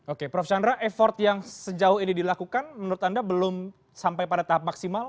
oke prof chandra effort yang sejauh ini dilakukan menurut anda belum sampai pada tahap maksimal